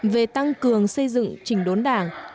về tăng cường xây dựng trình đốn đảng